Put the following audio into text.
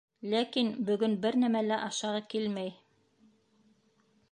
Ләкин бөгөн бер нәмә лә ашағы килмәй.